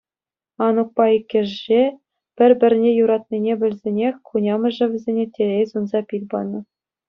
Анукпа иккӗше пӗр-пӗрне юратнине пӗлсенех, хунямӑшӗ вӗсене телей сунса пил панӑ.